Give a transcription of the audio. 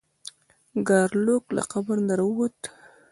ګارلوک له قبر نه راووت.